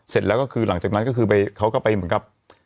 เสร็จแล้วก็คือหลังจากนั้นก็คือเขาก็ไปเหมือนกับ